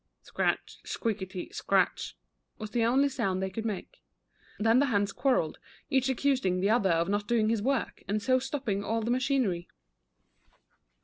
*' Scratch, squeak i ty, scratch," was the only sound they could make. Then the hands quarrelled, each accusing the other of not doing his work, and so stopping all the machinery.